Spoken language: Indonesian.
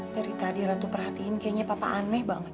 dari tadi ratu perhatiin kayaknya papa aneh banget